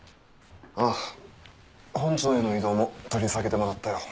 ああ本庁への異動も取り下げてもらったよ。